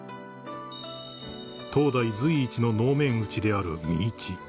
［当代随一の能面打ちである見市］